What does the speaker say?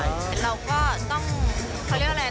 เราก็ต้องเขาเรียกอะไร